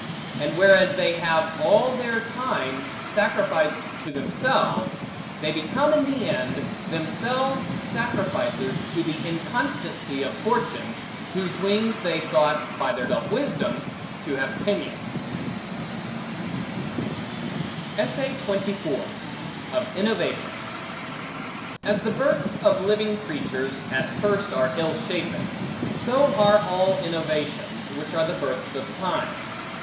And whereas they have, all their times, sacrificed to themselves, they become in the end, themselves sacrifices to the inconstancy of fortune, whose wings they thought, by their self wisdom, to have pinioned. Of Innovations AS THE births of living creatures, at first are ill shapen, so are all innovations, which are the births of time.